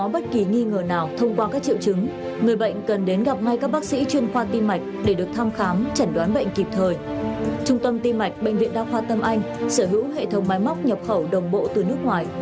bệnh viện đa khoa tâm anh sở hữu hệ thống máy móc nhập khẩu đồng bộ từ nước ngoài